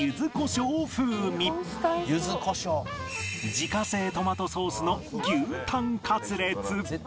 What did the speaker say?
自家製トマトソースの牛舌カツレツ